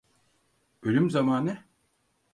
Ölüm zamanı?